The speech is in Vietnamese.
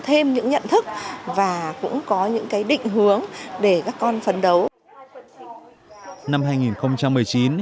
vì thế những hoạt động về nguồn nhiệt độ của các học sinh lớp chín của hà nội